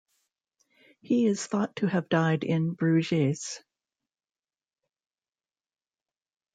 He is thought to have died in Bruges.